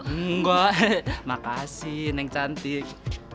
enggak makasih neng cantik